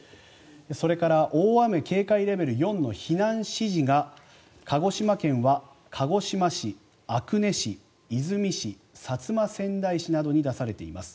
それから大雨警戒レベル４の避難指示が鹿児島県は鹿児島市、阿久根市出水市薩摩川内市などに出されています。